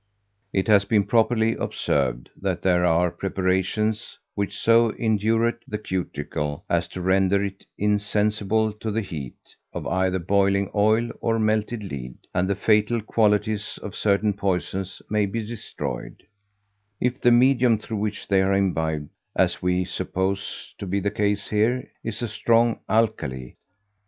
It has been properly observed, that there are preparations which so indurate the cuticle, as to render it insensible to the heat of either boiling oil or melted lead; and the fatal qualities of certain poisons may be destroyed, if the medium through which they are imbibed, as we suppose to be the case here, is a strong alkali.